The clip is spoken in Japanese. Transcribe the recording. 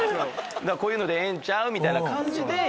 「こういうのでええんちゃう？」みたいな感じで。